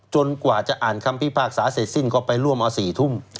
กว่าจะอ่านคำพิพากษาเสร็จสิ้นก็ไปร่วมเอา๔ทุ่ม